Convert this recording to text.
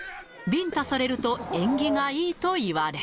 ビンタされると縁起がいいと言われ。